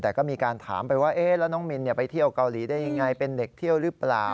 แต่ก็มีการถามไปว่าแล้วน้องมินไปเที่ยวเกาหลีได้ยังไงเป็นเด็กเที่ยวหรือเปล่า